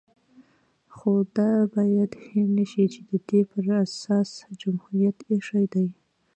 خو دا بايد هېر نشي چې د دې هر څه اساس جمهوريت ايښی دی